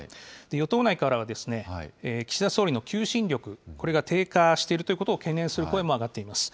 与党内からはですね、岸田総理の求心力、これが低下しているということを懸念する声も上がっています。